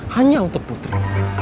hanya untuk putri